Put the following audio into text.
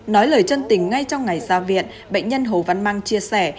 nói lời chân tình ngay trong ngày ra viện bệnh nhân hồ văn măng chia sẻ